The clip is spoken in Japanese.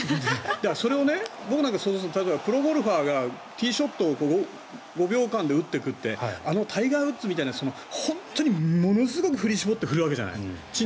それを僕なんかプロゴルファーがティーショットを５秒間で打っていくってタイガー・ウッズみたいなものすごく振り絞って振るわけじゃない。